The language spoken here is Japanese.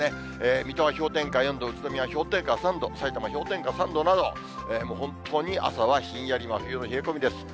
水戸は氷点下４度、宇都宮は氷点下３度、さいたま氷点下３度など、もう本当に朝はひんやり、真冬の冷え込みです。